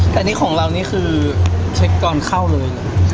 แต่อันนี้ของเรานี่คือเช็คก่อนเข้าเลย